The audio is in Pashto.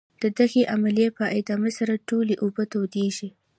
د دغې عملیې په ادامې سره ټولې اوبه تودیږي.